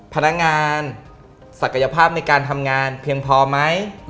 พนักงานศักยภาพในการทำงานเพียงพอไหม